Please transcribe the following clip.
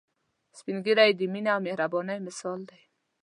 سپین ږیری د مينه او مهربانۍ مثال دي